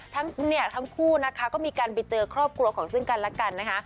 เนี่ยทั้งคู่นะคะก็มีการไปเจอครอบครัวของซึ่งกันและกันนะคะ